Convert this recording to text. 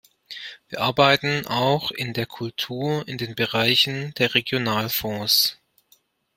Wir arbeiten auch in der Kultur in den Bereichen der Regionalfonds.